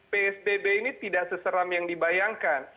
psbb ini tidak seseram yang dibayangkan